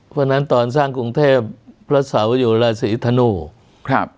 เพราะฉะนั้นตอนสร้างกรุงเทพพระเสาอยู่ราศีธนูครับ